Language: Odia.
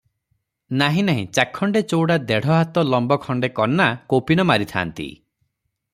ନାହିଁ, ନାହିଁ ଚାଖଣ୍ଡେ ଚୌଡ଼ା ଦେଢ ହାତ ଲମ୍ବ ଖଣ୍ଡେ କନା କୌପୀନ ମାରିଥାଆନ୍ତି ।